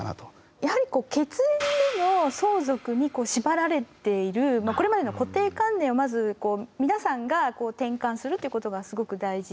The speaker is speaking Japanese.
やはり血縁での相続に縛られているこれまでの固定観念をまず皆さんが転換するということがすごく大事で。